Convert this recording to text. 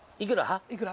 いくら？